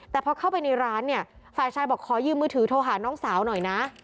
แต่พอเข้าไปในร้านเนี่ยฝ่ายชายบอกขอยืมมือถือโทรหาน้องสาวหน่อยนะ